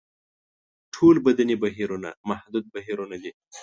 ټول بدني بهیرونه محدود بهیرونه دي.